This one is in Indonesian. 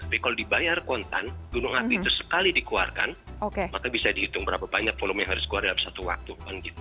tapi kalau dibayar kontan gunung api itu sekali dikeluarkan maka bisa dihitung berapa banyak volume yang harus dikeluarkan dalam satu waktu